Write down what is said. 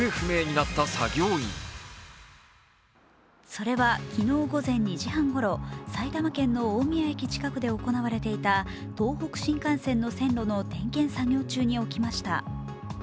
それは昨日午前２時半ごろ、埼玉県の大宮駅近くで行われていた東北新幹線の線路の点検作業中に起きました。